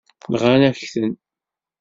Nɣan-ak-ten.